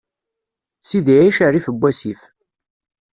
Sidi ɛic rrif n wassif.